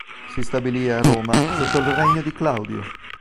Si stabilì a Roma sotto il regno di Claudio.